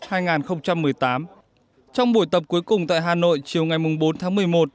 trong buổi tập cuối cùng tại hà nội chiều ngày bốn tháng một mươi một